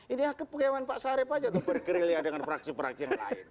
ini ya kepekeman pak sarip aja tuh bergerilya dengan fraksi fraksi yang lain